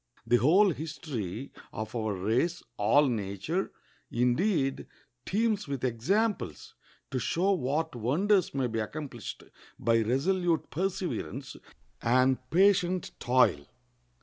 The whole history of our race, all nature, indeed, teems with examples to show what wonders may be accomplished by resolute perseverance and patient toil.